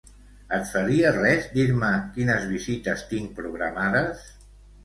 Et faries res dir-me quines visites tinc programades?